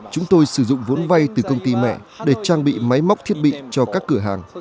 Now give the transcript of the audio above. chúng tôi sử dụng vốn vay từ công ty mẹ để trang bị máy móc thiết bị cho các cửa hàng